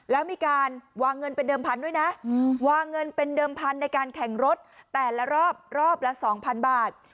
แล้วมีการวางเงินเป็นเดิมพันด้วยนะวางเงินเป็นเดิมพันธุ์ในการแข่งรถแต่ละรอบรอบละ๒๐๐บาท